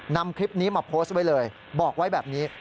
นำคลิปนี้มาโพสต์ไว้เลยบอกไว้แบบนี้